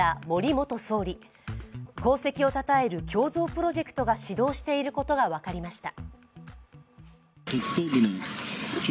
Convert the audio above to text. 功績をたたえる胸像プロジェクトが始動していることが分かりました。